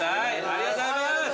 ありがとうございます。